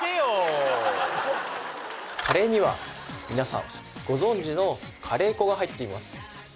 カレーにはみなさんご存じのカレー粉が入っています